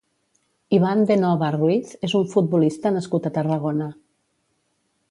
Iván de Nova Ruiz és un futbolista nascut a Tarragona.